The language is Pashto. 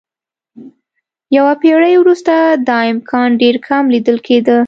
یوه پېړۍ وروسته دا امکان ډېر کم لیدل کېده.